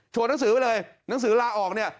หนังสือไว้เลยหนังสือลาออกเนี่ย